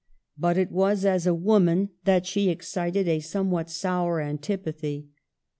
But it was as a woman that she excited a somewhat sour antipathy.